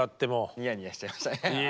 ニヤニヤしちゃいましたね。